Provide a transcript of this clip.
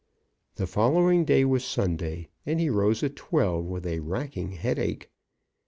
The following day was Sunday, and he rose at twelve with a racking headache.